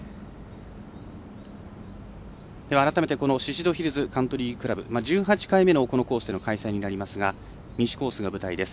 改めて宍戸ヒルズカントリークラブ１８回目のこのコースでの開催となりますが西コースが舞台です。